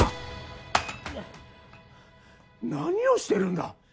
あっ何をしているんだ？